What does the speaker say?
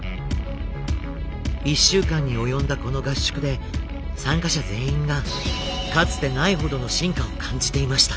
１週間に及んだこの合宿で参加者全員がかつてないほどの進化を感じていました。